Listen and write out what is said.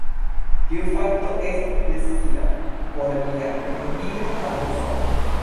Tiu fakto estis decida por lia elmigro al Usono.